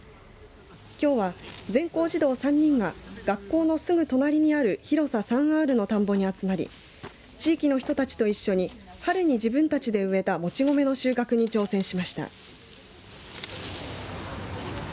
きょうは、全校児童３人が学校のすぐ隣にある広さ３アールの田んぼに集まり地域の人たちと一緒に春に自分たちで植えたもち米の収穫に挑戦しました。